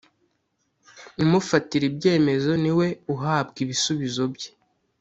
umufatira ibyemezo ni we uhabwa ibisubizo bye.